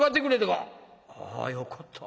あよかった。